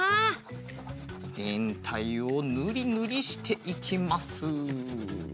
ぜんたいをぬりぬりしていきます。